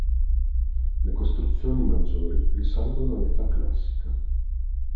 Le costruzioni maggiori risalgono all'Età Classica.